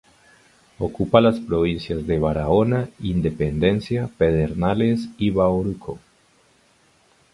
Ocupa las provincias de Barahona, Independencia, Pedernales y Bahoruco.